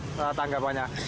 jadi gimana tangga banyak